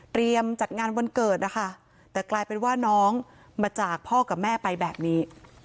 จัดงานวันเกิดนะคะแต่กลายเป็นว่าน้องมาจากพ่อกับแม่ไปแบบนี้